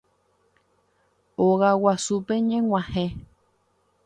Ogaguasúpe ñeg̃uahẽ